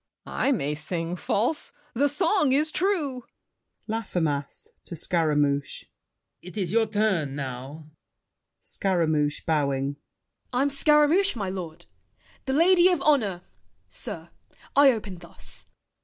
I may sing false—the song is true! LAFFEMAS (to Scaramouche). It's your turn now. SCARAMOUCHE (bowing). I'm Scaramouche, my lord! "The Lady of Honor," sir, I open thus.